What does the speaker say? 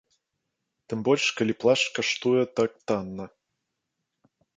Тым больш калі плашч каштуе так танна.